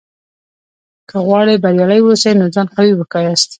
که غواړې بریالی واوسې؛ نو ځان قوي وښیاست!